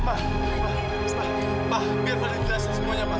biarkan fadil menjelaskan semuanya mah